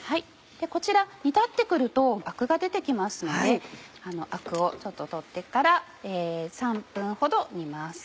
こちら煮立って来るとアクが出て来ますのでアクを取ってから３分ほど煮ます。